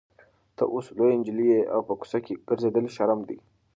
ته اوس لویه نجلۍ یې او په کوڅه کې ګرځېدل شرم دی.